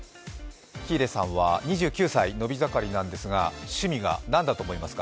喜入さんは２９歳、伸び盛りなんですが、趣味が何だと思いますか？